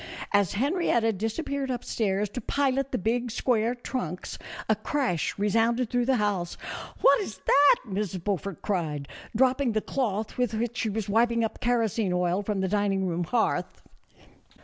As Henrietta disappeared up stairs to pilot the big square trunks, a crash resounded through the house. "What is that?" Mrs. Beaufort cried, dropping the cloth with which she was wiping up kerosene oil from the dining room hearth.